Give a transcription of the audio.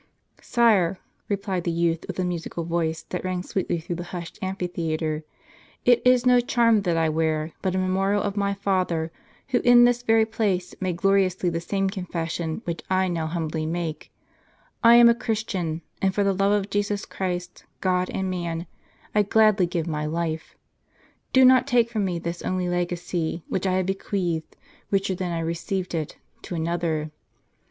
"Sire," replied the youth, with a musical voice, that rang sweetly through the hushed amphitheatre, "it is no charm that I wear, but a memorial of my father, who in this very place made gloriously the same confession which I now hum bly make ; I am a Christian ; and for love of Jesus Chiist, God and man, I gladly give my life. Do not take from me this only legacy, which I have bequeathed, richer than I received it, to another.